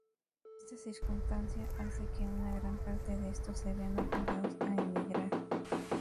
Esta circunstancia hace que una gran parte de estos se vean obligados a emigrar.